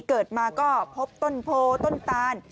เกิดมาก็พบต้นโพต้นตาน